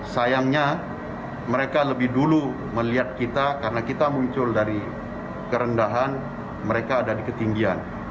sayangnya mereka lebih dulu melihat kita karena kita muncul dari kerendahan mereka ada di ketinggian